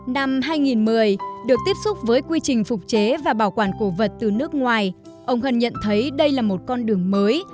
năm hai nghìn một mươi được tiếp xúc với quy trình phục chế và bảo quản cổ vật từ nước ngoài ông hân nhận thấy đây là một con đường mới